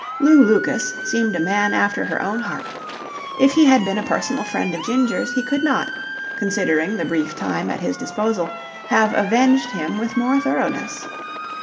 Lew Lucas seemed a man after her own heart. If he had been a personal friend of Ginger's he could not, considering the brief time at his disposal, have avenged him with more thoroughness.